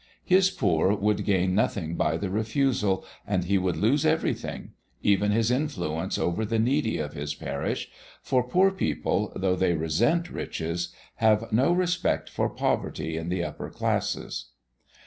His poor would gain nothing by the refusal, and he would lose everything even his influence over the needy of his parish for poor people, though they resent riches, have no respect for poverty in the upper classes.